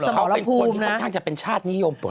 เขาเป็นคนที่ค่อนข้างจะเป็นชาตินิยมปล